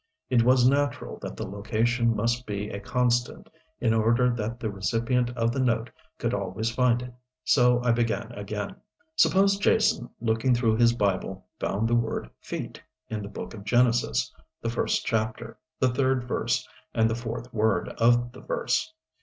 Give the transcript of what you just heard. It was natural that the location must be a constant in order that the recipient of the note could always find it. So I began again: Suppose Jason, looking through his Bible, found the word "feet" in the book of Genesis, the first chapter, the third verse, and the fourth word of the verse.